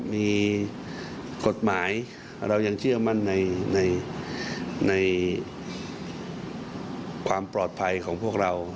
มีกฎหมายเรายังเชื่อมั่นในความปลอดภัยของพวกเรา